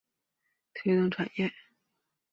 推动产业化